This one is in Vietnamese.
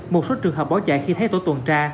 một số trường hợp bỏ chạy khi thấy tổ tuần tra